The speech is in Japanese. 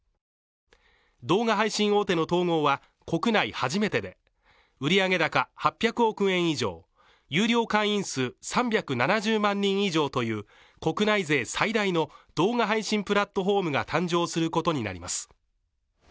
動画配信大手の統合は国内初めてで売上高８００億円以上、有料会員数３７０万人以上という、国内勢最大の動画配信プラットフォームが誕生することになります。